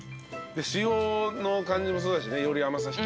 塩の感じもそうだしねより甘さ引き立って。